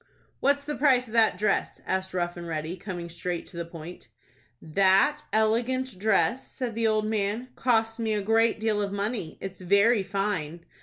"What's the price of that dress?" asked Rough and Ready, coming straight to the point. "That elegant dress," said the old man, "cost me a great deal of money. It's very fine."